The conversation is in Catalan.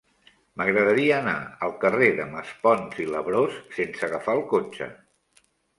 M'agradaria anar al carrer de Maspons i Labrós sense agafar el cotxe.